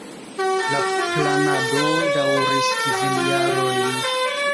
La planado daŭris kvin jarojn.